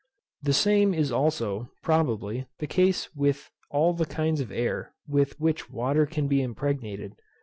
The same is also, probably, the case with all the kinds of air with which water can be impregnated.